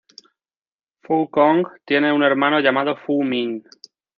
Fou Cong tiene un hermano llamado Fu Min.